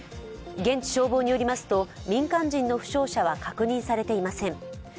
現地消防によりますと民間人の負傷者は確認されていません。